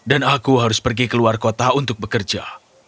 dan aku harus pergi ke luar kota untuk bekerja